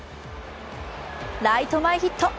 ライト前ヒット。